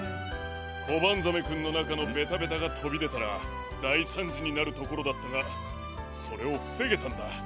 コバンザメくんのなかのベタベタがとびでたらだいさんじになるところだったがそれをふせげたんだ。